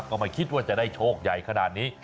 ก็ไม่คิดว่าจะได้โชคใหญ่ขนาดนี้